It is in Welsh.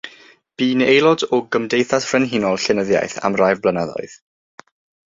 Bu'n aelod o Gymdeithas Frenhinol Llenyddiaeth am rai blynyddoedd.